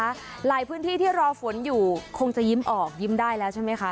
หลายพื้นที่ที่รอฝนอยู่คงจะยิ้มออกยิ้มได้แล้วใช่ไหมคะ